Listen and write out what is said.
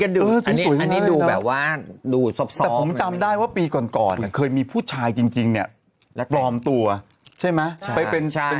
อันนี้ดูแบบว่าดูศพแต่ผมจำได้ว่าปีก่อนเคยมีผู้ชายจริงเนี่ยปลอมตัวใช่ไหม